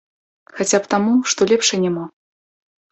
Хаця б таму, што лепшай няма.